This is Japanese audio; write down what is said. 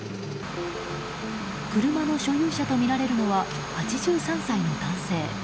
車の所有者とみられるのは８３歳の男性。